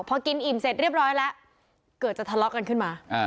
พอกินอิ่มเสร็จเรียบร้อยแล้วเกิดจะทะเลาะกันขึ้นมา